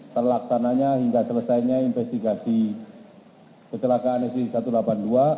terlaksananya hingga selesainya investigasi kecelakaan sj satu ratus delapan puluh dua